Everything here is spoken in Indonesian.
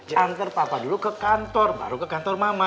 janganker papa dulu ke kantor baru ke kantor mama